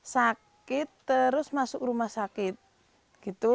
sakit terus masuk rumah sakit gitu